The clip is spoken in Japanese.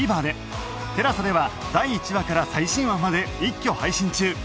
ＴＥＬＡＳＡ では第１話から最新話まで一挙配信中